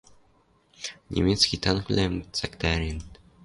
Немецкий танквлӓм цӓктӓренӹт